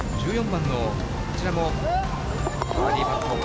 １４番のこちらもバーディーパット。